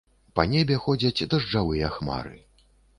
Па небе ходзяць дажджавыя хмары.